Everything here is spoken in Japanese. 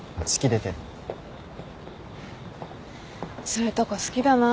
そういうとこ好きだな。